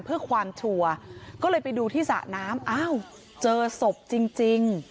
เพื่อความชัวร์ก็เลยไปดูที่สระน้ำอ้าวเจอศพจริง